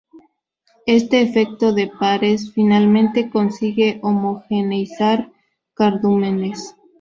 Este efecto "de pares" finalmente consigue homogeneizar cardúmenes.